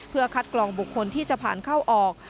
เพื่อคัดกรองบุคคลที่จะผ่านเข้าออก